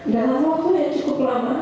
dalam waktu yang cukup lama